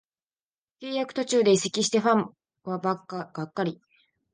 契約途中で移籍してファンはがっかり